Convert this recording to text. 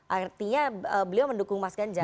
artinya beliau mendukung mas ganjar